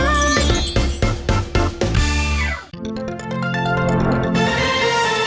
โอ๊ยไปแล้ว